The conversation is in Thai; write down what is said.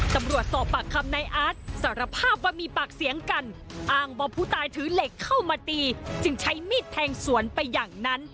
สอบปากคำนายอาร์ตสารภาพว่ามีปากเสียงกันอ้างว่าผู้ตายถือเหล็กเข้ามาตีจึงใช้มีดแทงสวนไปอย่างนั้น